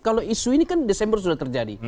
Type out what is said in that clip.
kalau isu ini kan desember sudah terjadi